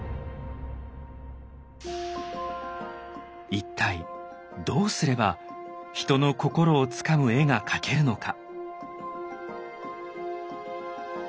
一体どうすれば人の心をつかむ絵が描けるのか。